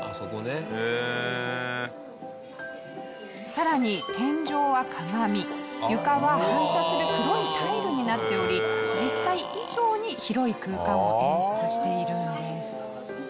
さらに天井は鏡床は反射する黒いタイルになっており実際以上に広い空間を演出しているんです。